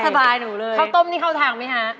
ค่าวตมนี่เข้าทางไหมครับ